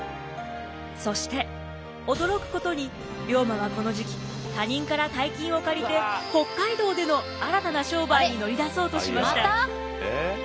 そして驚くことに龍馬はこの時期他人から大金を借りて北海道での新たな商売に乗り出そうとしました。